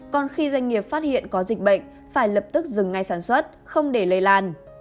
còn khi doanh nghiệp phát hiện có dịch bệnh phải lập tức dừng ngay sản xuất không để lây lan